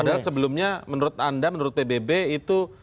padahal sebelumnya menurut anda menurut pbb itu